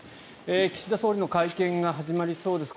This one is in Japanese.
岸田総理の会見が始まりそうです。